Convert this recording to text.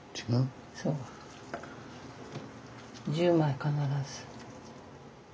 １０枚必ず。